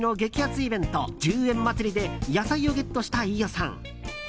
イベント１０円祭りで野菜をゲットした飯尾さん。